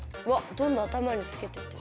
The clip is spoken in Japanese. どんどん頭につけてってる。